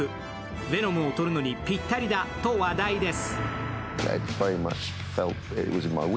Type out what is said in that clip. ヴェノムを撮るのにぴったりだと話題です。